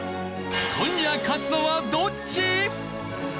今夜勝つのはどっち！？